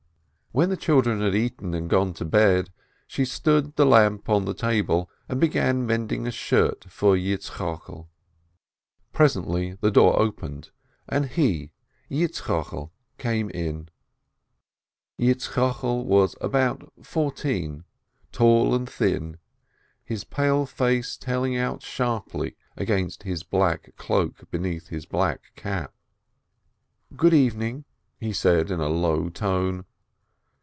When the children had eaten and gone to bed, she stood the lamp on the table, and began mending a shirt for Yitzchokel. Presently the door opened, and he, Yitzchokel, came in. Yitzchokel was about fourteen, tall and thin, his pale face telling out sharply against his black cloak beneath his black cap. "Good evening !" he said in a low tone.